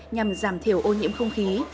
nhằm giảm thiểu ô nhiễm không khí